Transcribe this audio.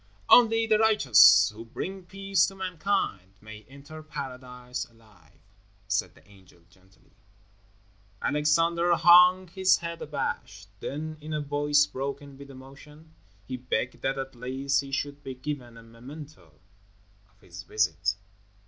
"Only the righteous who bring peace to mankind may enter Paradise alive," said the angel, gently. Alexander hung his head abashed; then, in a voice broken with emotion, he begged that at least he should be given a memento of his visit.